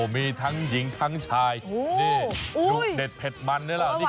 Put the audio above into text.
มีทั้งหญิงทั้งชายดูเด็ดเผ็ดมัน